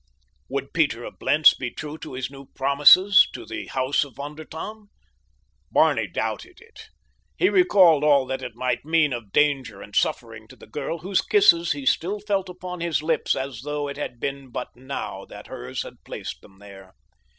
Would Peter of Blentz be true to his new promises to the house of Von der Tann? Barney doubted it. He recalled all that it might mean of danger and suffering to the girl whose kisses he still felt upon his lips as though it had been but now that hers had placed them there.